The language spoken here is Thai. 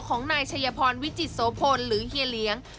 ของนายชัยพรวิจิตโสพลหรือเฮียเลี้ยง